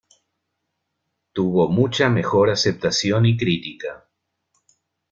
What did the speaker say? Tuvo mucha mejor aceptación y crítica.